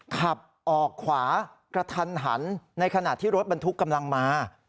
ขับออกขวากระทันหันในขณะที่รถบรรทุกกำลังมา